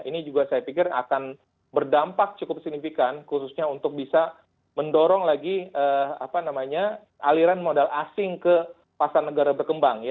ini juga saya pikir akan berdampak cukup signifikan khususnya untuk bisa mendorong lagi aliran modal asing ke pasar negara berkembang